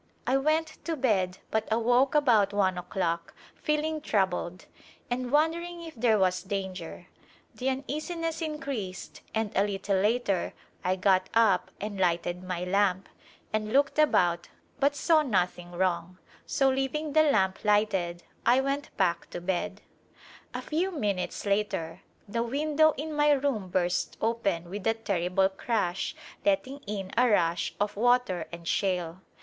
I went to bed but awoke about one o'clock feeling troubled and wondering if there was danger; the uneasiness in creased and a little later I got up and lighted my lamp A Glhnpse of India and looked about but saw nothing wrong, so leaving the lamp lighted I went back to bed. A 'i^vi minutes later the window in my room burst open with a ter rible crash letting in a rush of water and shale.